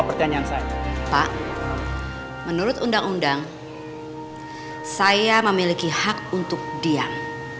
menurut undang undang saya memiliki hak untuk diam